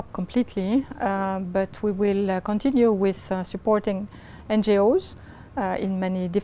với tương lai tương lai